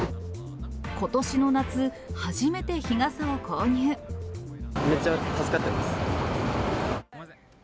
ことしの夏、初めて日傘を購めっちゃ助かってます。